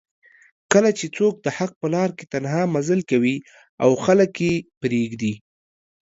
کله چې څوک دحق په لار کې تنها مزل کوي او خلک یې پریږدي